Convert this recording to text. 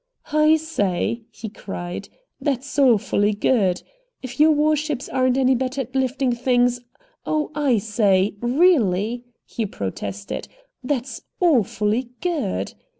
"I say!" he cried. "That's awfully good: 'If your war ships aren't any better at lifting things ' Oh, I say, really," he protested, "that's awfully good."